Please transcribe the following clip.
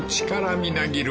みなぎる